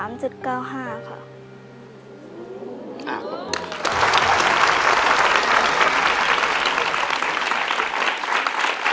อ่าขอบคุณค่ะ